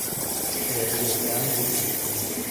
Creature grandi e piccole